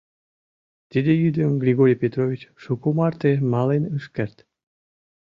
Тиде йӱдым Григорий Петрович шуко марте мален ыш керт...